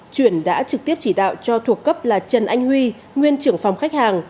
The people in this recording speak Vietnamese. chuyển đã trực tiếp chỉ đạo cho thuộc cấp là trần anh huy nguyên trưởng phòng khách hàng